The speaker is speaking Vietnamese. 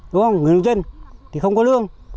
đúng không người dân thì không có lương